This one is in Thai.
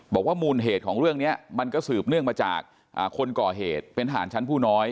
มูลเหตุของเรื่องนี้มันก็สืบเนื่องมาจากคนก่อเหตุเป็นทหารชั้นผู้น้อย